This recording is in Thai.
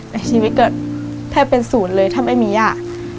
ในชีวิตก็แทบเป็นศูนย์เลยถ้าไม่มีย่า